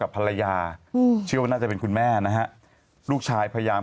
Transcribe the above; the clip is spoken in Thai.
ภรรยาอืมเชื่อว่าน่าจะเป็นคุณแม่นะฮะลูกชายพยายาม